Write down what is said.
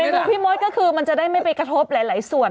เอาล่ะเมมูพี่โม๊ดก็คือมันจะได้ไม่ไปกระทบหลายส่วน